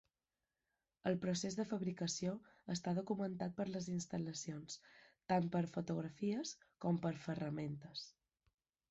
El procés de fabricació està documentat per les instal·lacions, tant per fotografies, com per ferramentes.